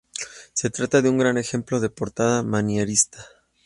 Se trata de un gran ejemplo de portada manierista.